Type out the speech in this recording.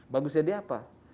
bagusnya dia apa